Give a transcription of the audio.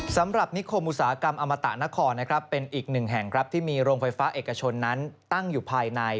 สำหรับนิคมอุตสาหกรรมอมตะนครนะครับเป็นอีกหนึ่งแห่งครับที่มีโรงไฟฟ้าเอกชนนั้นตั้งอยู่ภายใน